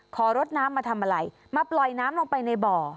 ขอรดน้ำมาทำอะไรมาปล่อยน้ำลงไปในบ่อ